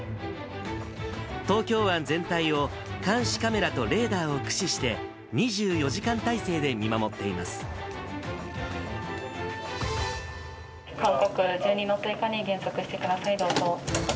東京湾全体を監視カメラとレーダーを駆使して、２４時間態勢で見勧告、１２ノット以下に減速してください、どうぞ。